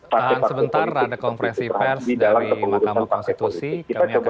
tahan sebentar ada konferensi pers dari mahkamah konstitusi kami akan